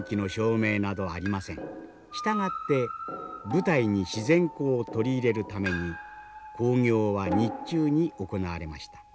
従って舞台に自然光を採り入れるために興行は日中に行われました。